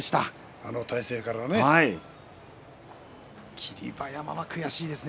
あの体勢からね。